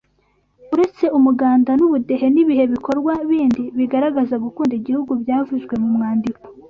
Uretse umuganda n’ubudehe ni ibihe bikorwa bindi bigaragaza gukunda igihugu byavuzwe mu mwandiko?